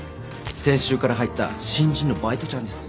先週から入った新人のバイトちゃんです。